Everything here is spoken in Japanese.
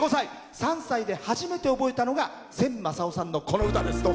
３歳で初めて覚えたのが千昌夫さんのこの歌です。